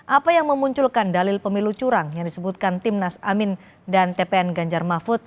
apa yang memunculkan dalil pemilu curang yang disebutkan timnas amin dan tpn ganjar mahfud